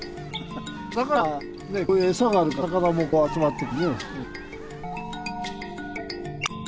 だからこういう餌があるから魚もこう集まってくるしね。